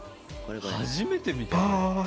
初めて見たよこれ。